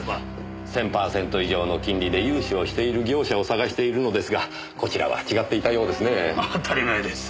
１０００パーセント以上の金利で融資をしている業者を探しているのですがこちらは違っていたようですね。